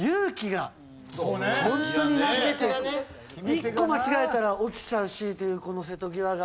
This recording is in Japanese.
１個間違えたら落ちちゃうしというこの瀬戸際が。